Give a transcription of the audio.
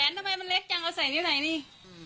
แหวนทำไมเล็กจังเอาใส่อยู่ไหนเนี่ย